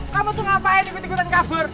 kamu tuh ngapain ikut ikutan kabur